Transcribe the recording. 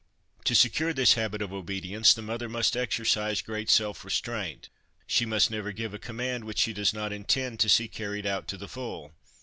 To secure this habit of obedience, the mother must exercise great self restraint ; she must never give a command which she does not intend to see carried out to the full.